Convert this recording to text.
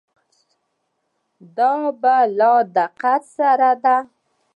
دا په لا دقت سره ده.